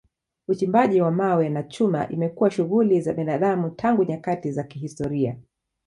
Uchimbaji wa mawe na chuma imekuwa shughuli za binadamu tangu nyakati za kihistoria.